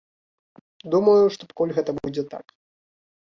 Думаю, што пакуль гэта будзе так.